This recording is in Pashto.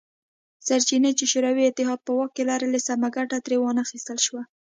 سرچینې چې شوروي اتحاد په واک کې لرلې سمه ګټه ترې وانه خیستل شوه